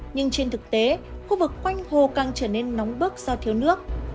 nhưng trên thực tế khu vực quanh hồ càng trở nên nóng bức do thiếu nước